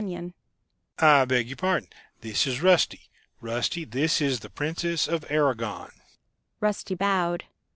"I beg your pardon.... This is Rusty; Rusty, this is the Princess of Aragon...."